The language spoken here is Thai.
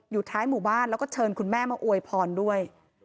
ท้ายหมู่บ้านแล้วก็เชิญคุณแม่มาอวยพรด้วย